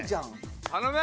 頼む！